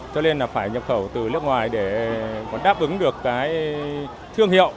cho nên là phải nhập khẩu từ nước ngoài để còn đáp ứng được cái thương hiệu